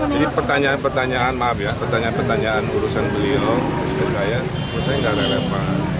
jadi pertanyaan pertanyaan maaf ya pertanyaan pertanyaan urusan beliau urusan saya urusan saya nggak relevan